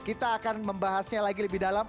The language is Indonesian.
kita akan membahasnya lagi lebih dalam